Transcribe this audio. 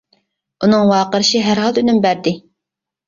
ئۇنىڭ ۋارقىرىشى ھەر ھالدا ئۈنۈم بەردى.